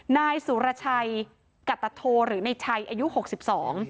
นายสุรชัยกัตโธหรือในชัยอายุหกสิบสอง